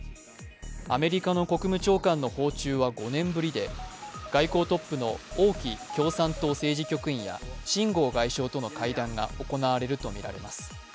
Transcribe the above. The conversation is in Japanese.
アメリカの国務長官の訪中は５年ぶりで、外交トップの王毅共産党政治局員や秦剛外相との会談が行われるとみられます。